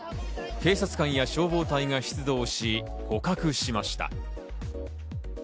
警察官や消防隊が出動し、捕獲しました。